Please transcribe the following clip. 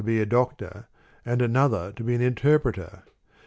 ra be a doctor, and another to be an interpreter.'